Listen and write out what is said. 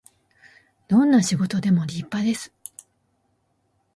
どんな仕事でも立派です